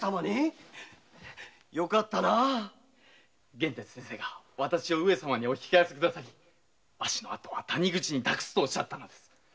玄哲先生がわたしを上様にお引き合わせくださり「わしの後は谷口に託す」とおっしゃったのです。